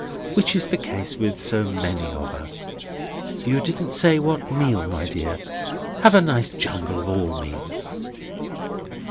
Which is the case with so many of us! You didn't say what meal, my dear. Have a nice jumble of all meals."